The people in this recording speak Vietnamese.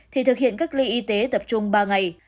thì thực hiện cách ly y tế tập trung ba ngày